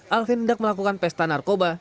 alvin hendak melakukan pesta narkoba